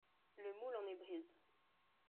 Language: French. Le moule en est brise